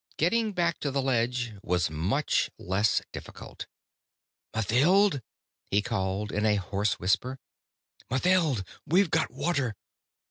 Getting back to the ledge was much less difficult. "Mathild?" he called in a hoarse whisper. "Mathild, we've got water."